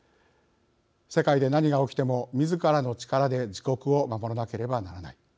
世界で何が起きてもみずからの力で自国を守らなければならない。